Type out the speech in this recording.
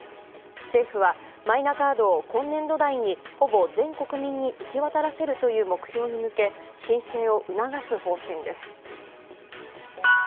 政府は、マイナカードを今年度にほぼ全国民に行き渡らせるという目標に向け申請を促す方針です。